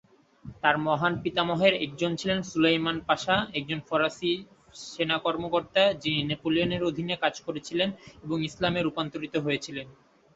তার মহান পিতামহের একজন ছিলেন সুলেইমান পাশা, একজন ফরাসি সেনা কর্মকর্তা, যিনি নেপোলিয়নের অধীনে কাজ করেছিলেন এবং ইসলামে রূপান্তরিত হয়েছিলেন।